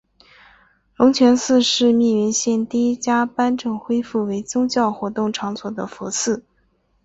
龙泉寺是密云县第一家颁证恢复为宗教活动场所的佛寺。